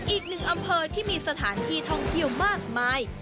อีกหนึ่งอำเภอที่มีสถานที่ท่องเที่ยวมากมาย